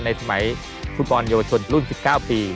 ในสมัยชุดบอลโยชนรุ่น๑๙ปี